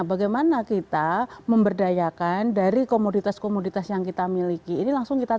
bagaimana kita memberdayakan dari komoditas komoditas yang kita miliki ini langsung kita